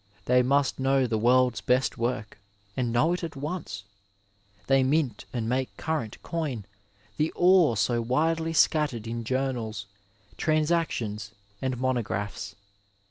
They must know the world's best work and know it at once. They mint and make current coin the ore so widely scattered in journals, transactions and monographs.